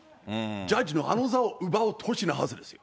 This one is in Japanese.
ジャッジのあの座を奪う年のはずですよ。